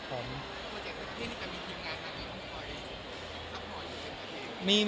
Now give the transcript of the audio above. โปรเจกต์ธรรมดาอย่างนี้ก็มีทีมงานทางนี้ของโปรเจกต์ธรรมดาอย่างนี้ครับ